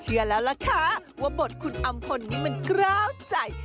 เชื่อแล้วล่ะค่ะว่าบทคุณอำพลนี้มันกล้าวใจ